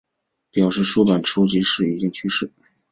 表示书籍出版时已经去世。